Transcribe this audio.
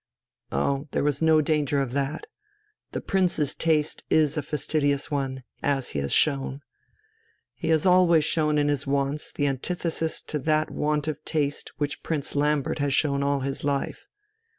"Oh, there was no danger of that. The Prince's taste is a fastidious one, as he has shown. He has always shown in his wants the antithesis to that want of taste which Prince Lambert has shown all his life.